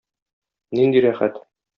Нинди рәхәт!